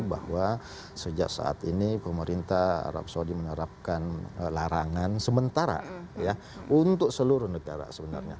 bahwa sejak saat ini pemerintah arab saudi menerapkan larangan sementara ya untuk seluruh negara sebenarnya